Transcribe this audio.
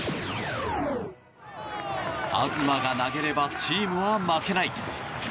東が投げればチームは負けない。